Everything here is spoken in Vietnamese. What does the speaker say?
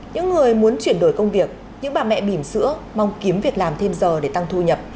những người muốn chuyển đổi công việc những bà mẹ bìm sữa mong kiếm việc làm thêm giờ để tăng thu nhập